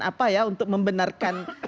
apa ya untuk membenarkan